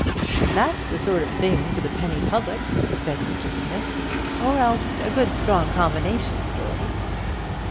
That's the sort of thing for the penny public," said Mr. Smith; "or else a good strong combination story."